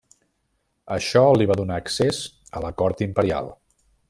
Això li va donar accés a la cort imperial.